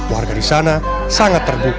warga di sana sangat terbuka